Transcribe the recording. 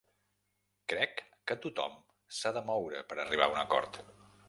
Crec que tothom s’ha de moure per arribar a un acord.